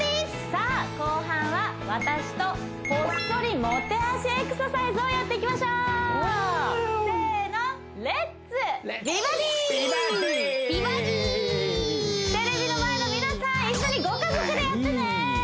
さあ後半は私とほっそりモテ脚エクササイズをやっていきましょうせのテレビの前の皆さん一緒にご家族でやってね！